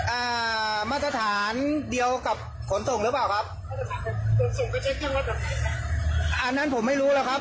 อ่ามาตรฐานเดียวกับขนส่งหรือเปล่าครับอันนั้นผมไม่รู้แล้วครับ